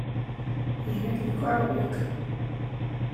Yerra-k deg uɛewwiq.